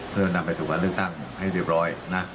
เพื่อนำไปสู่การเลือกตั้งให้เรียบร้อยนะ